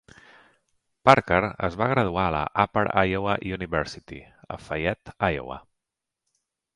Parker es va graduar a la Upper Iowa University a Fayette, Iowa.